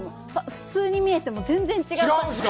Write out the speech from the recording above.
普通に見えても全然違うんです。